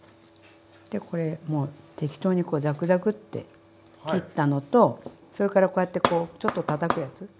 でこれもう適当にこうザクザクッて切ったのとそれからこうやってちょっとたたくやつ。